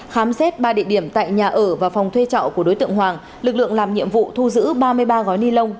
khám xét ba địa điểm tại nhà ở và phòng thuê trọ của đối tượng hoàng lực lượng làm nhiệm vụ thu giữ ba mươi ba gói ni lông